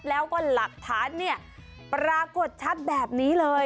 แล้วก็หลักฐานเนี่ยปรากฏชัดแบบนี้เลย